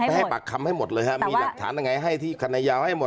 ให้ปากคำให้หมดเลยฮะมีหลักฐานยังไงให้ที่คณะยาวให้หมด